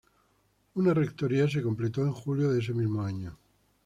Una rectoría se completó en julio de ese mismo año.